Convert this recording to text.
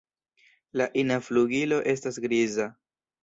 La ina flugilo estas griza.